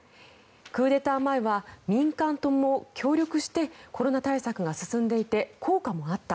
クーデター前は民間とも協力してコロナ対策が進んでいて効果もあった。